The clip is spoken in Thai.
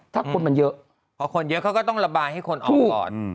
ถ้าคนมันเยอะพอคนเยอะเขาก็ต้องระบายให้คนออกก่อน